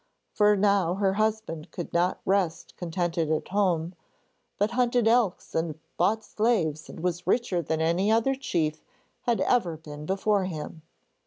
For now her husband could not rest contented at home, but hunted elks and bought slaves and was richer than any other chief had ever been before him.